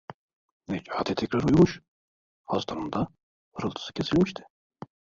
Necati tekrar uyumuş, hastanın da hırıltısı kesilmişti.